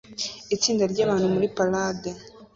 Itsinda ryabantu muri parade